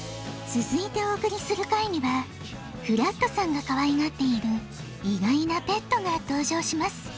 つづいておおくりする回にはフラットさんがかわいがっている意外なペットが登場します。